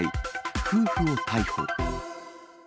夫婦を逮捕。